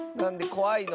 こわいの？